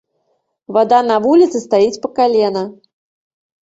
Вада на вуліцы стаіць па калена.